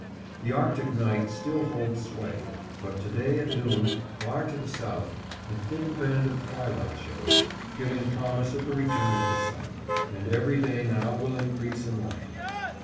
The Arctic night still holds sway, but to day at noon, far to the south, a thin band of twilight shows, giving promise of the return of the sun, and every day now will increase in light.